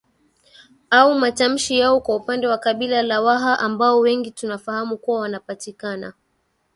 au matamshi yao Kwa upande wa kabila la Waha ambao wengi tunafahamu kuwa wanapatikana